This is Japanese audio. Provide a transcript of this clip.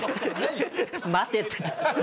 待てって。